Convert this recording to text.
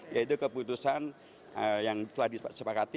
yaitu keputusan yang telah disepakati